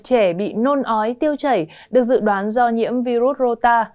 trẻ bị nôn ói tiêu chảy được dự đoán do nhiễm virus rota